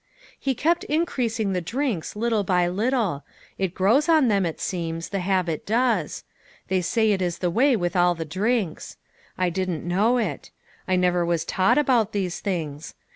"He kept increasing the drinks, little by little it grows on them, .it seems, the habit does; they say that is the way with all the drinks; I didn't know it. I never was taught about these things.